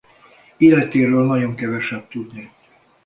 Életéről nagyon keveset tudni.